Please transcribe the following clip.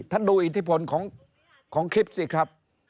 ดูอิทธิพลของคลิปสิครับ